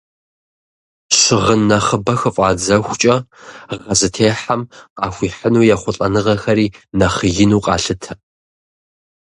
Щыгъын нэхъыбэ хыфӀадзэхукӀэ, гъэ зытехьам къахуихьыну ехъулӀэныгъэри нэхъ иныну къалъытэ.